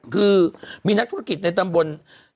คือมีนักธุรกิจในตำบล